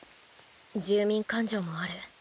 住民感情もある。